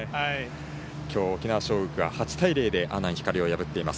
きょう沖縄尚学が８対０で阿南光を破っています。